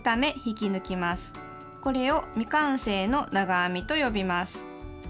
これを「未完成の長編み」と呼びます。